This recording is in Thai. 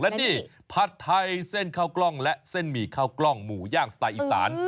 และนี่ผัดไทยเส้นข้าวกล้องและเส้นหมี่ข้าวกล้องหมูย่างสไตล์อีสาน